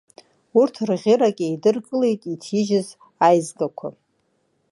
Урҭ рӷьырак еидыркылеит иҭижьыз аизгақәа…